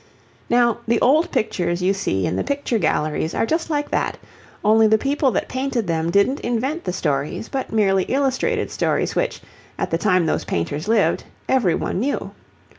Now, the old pictures you see in the picture galleries are just like that, only the people that painted them didn't invent the stories but merely illustrated stories which, at the time those painters lived, every one knew.